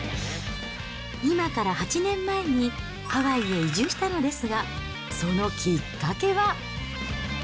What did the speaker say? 今から８年前に、ハワイへ移住したのですが、そのきっかけは。